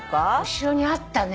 後ろにあったね